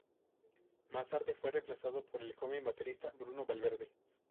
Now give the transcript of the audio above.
Más tarde fue reemplazado por el joven baterista Bruno Valverde.